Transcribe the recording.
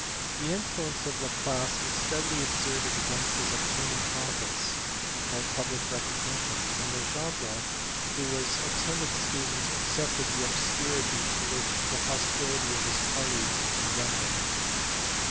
The influence of Laplace was steadily exerted against his obtaining office or public recognition, and Legendre who was a timid student accepted the obscurity to which the hostility of his colleague condemned him.